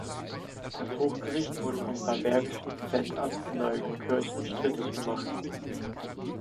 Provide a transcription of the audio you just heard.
Das Hochgericht wurde vom bambergischen Centamt Neunkirchen strittig gemacht.